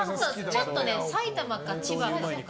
ちょっと埼玉か千葉か。